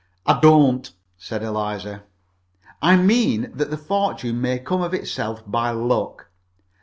"I don't," said Eliza. "I mean that the fortune may come of itself by luck.